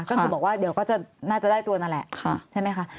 ก็คือบอกว่าเดี๋ยวก็น่าจะได้ตัวนั่นแหละใช่ไหมคะ